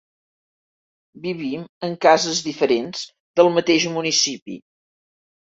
Vivim en cases diferents del mateix municipi.